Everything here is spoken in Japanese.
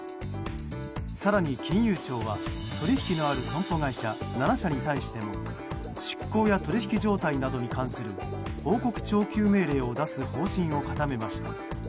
更に、金融庁は取引のある損保会社７社に対しても出向や取引状態などに関する報告徴求命令を出す方針を固めました。